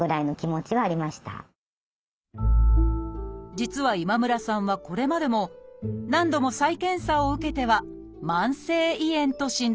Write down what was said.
実は今村さんはこれまでも何度も再検査を受けては「慢性胃炎」と診断されていました